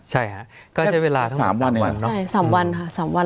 เหมือน๓วัน